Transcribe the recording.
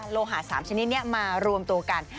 โลหะ๓ชนิดนี้มารวมตัวกัน